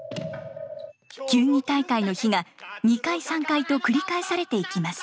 球技大会の日が２回３回と繰り返されていきます。